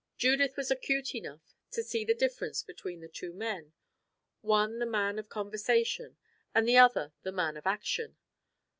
Judith was acute enough to see the difference between the two men one the man of conversation, and the other the man of action.